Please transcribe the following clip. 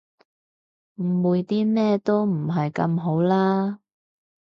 誤會啲咩都唔係咁好啦